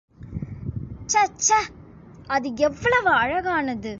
சேச்சே, அது எவ்வளவு அழகானது!